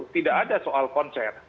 tidak ada soal konser